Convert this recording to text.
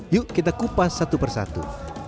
yuk kita kupas satu persatu